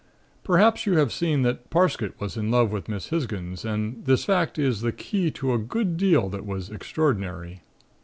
"Perhaps you have seen that Parsket was in love with Miss Hisgins and this fact is the key to a good deal that was extraordinary.